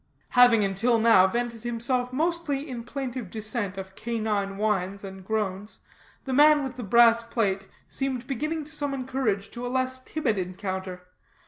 Having until now vented himself mostly in plaintive dissent of canine whines and groans, the man with the brass plate seemed beginning to summon courage to a less timid encounter.